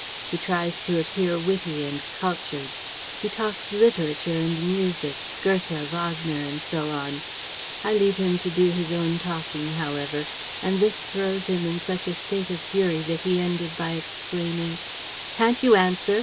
He tries to appear witty and cultured. He talks literature and music, Goethe, Wagner and so on. ... I leave him to do his own talking, however; and this throws him in such a state of fury that he ended by exclaiming: "'Can't you answer?